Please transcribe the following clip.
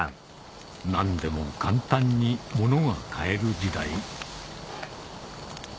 何でも簡単に物が買える時代